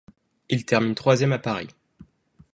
Il termine troisième à Paris.